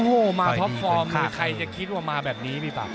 โฮมาท็อปฟอร์มใครจะคิดว่ามาแบบนี้ปี่ปัป